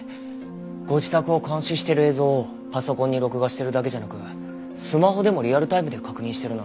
ご自宅を監視してる映像をパソコンに録画してるだけじゃなくスマホでもリアルタイムで確認してるなんて。